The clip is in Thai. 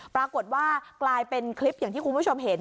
ปรากฏว่ากลายเป็นคลิปอย่างที่คุณผู้ชมเห็น